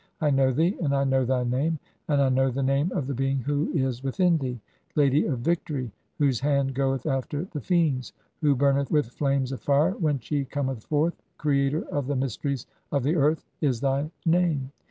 I know thee, and I know "thy name, and I know the name of the being who is (57) "within thee. 'Lady of victory, whose hand goeth after the "Fiends, who burnetii with flames of fire when she cometh forth, "creator of the mysteries of the earth', is thy name.